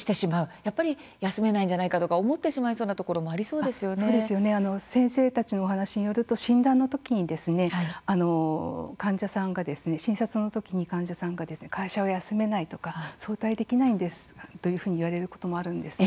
やっぱり休めないんじゃないかと思ってしまいそうなところも先生たちの話によると患者さんが診察のときに患者さんが会社を休めないとか早退できないんですと言われることもあるそうです。